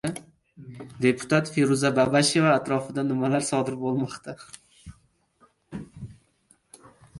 Deputat Feruza Babasheva atrofida nimalar sodir bo‘lmoqda?